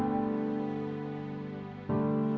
terima kasih ya